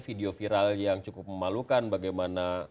video viral yang cukup memalukan bagaimana